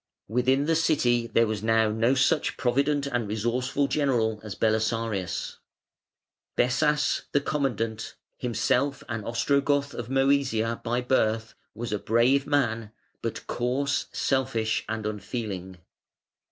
Within the City there was now no such provident and resourceful general as Belisarius. Bessas, the commandant, himself an Ostrogoth of Mœsia by birth, was a brave man, but coarse, selfish, and unfeeling.